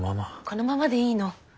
このままでいいの。